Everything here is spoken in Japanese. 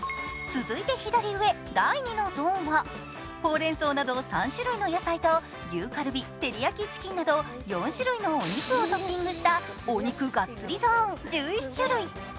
続いて左上、第２のゾーンは、ほうれん草など３種類の野菜と牛カルビ、照り焼きチキンなど４種類のお肉をトッピングしたお肉がっちりゾーン１１種類。